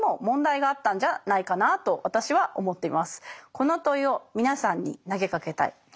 この問いを皆さんに投げかけたい。